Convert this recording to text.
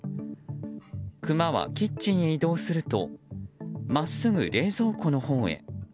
クマはキッチンへ移動すると真っすぐ冷蔵庫のほうへ。